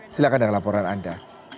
silakan dengan laporan anda